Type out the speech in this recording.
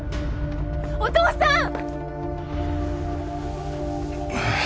お父さん！